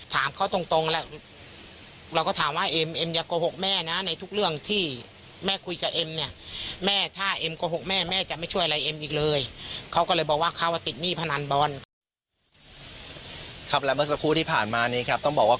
ถามเขาตรงแล้วก็ถามว่า